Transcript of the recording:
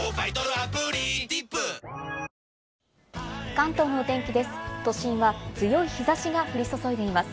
関東のお天気です。